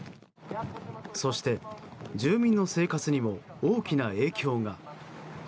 そして住民の生活にも大きな影響が。